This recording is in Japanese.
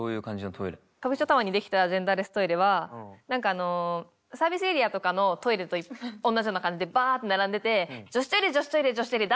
歌舞伎町タワーに出来たジェンダーレストイレは何かサービスエリアとかのトイレと同じような感じでバッと並んでて女子トイレ女子トイレ女子トイレ男子トイレ